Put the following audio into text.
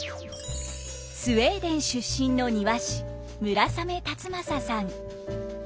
スウェーデン出身の庭師村雨辰剛さん。